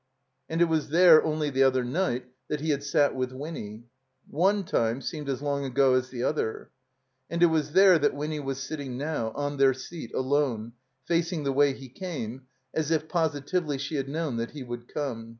And it was there, only the other night, that he had sat with Winny. One time seemed as long ago as the other. And it was there that Winny was sitting now, on their seat, alone, fadng the way he came, as if positively she had known that he would come.